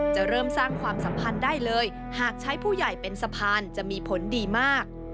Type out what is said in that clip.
เริ่มสร้างความสัมพันธ์ได้เลยหากใช้ผู้ใหญ่เป็นสะพานจะมีผลดีมาก